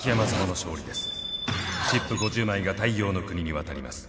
チップ５０枚が太陽ノ国に渡ります。